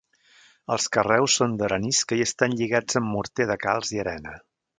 Els carreus són d'arenisca i estan lligats amb morter de calç i arena.